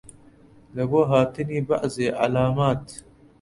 لەبۆ هاتنی بەعزێ عەلامات